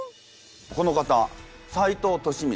この方斎藤利三。